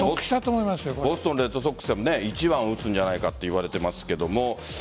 ボストン・レッドソックスでも１番を打つんじゃないかといわれていますけど。